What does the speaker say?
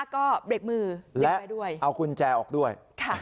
ก็เบรกมือและเอากุญแจออกด้วย